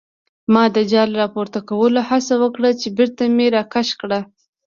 ما د جال راپورته کولو هڅه وکړه چې بېرته مې راکش کړ.